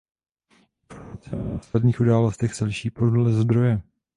Informace o následných událostech se liší podle zdroje.